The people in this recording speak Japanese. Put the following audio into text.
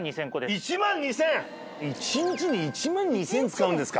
１日に１万２０００使うんですか？